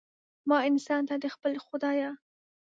ما انسان ته، د خپل خدایه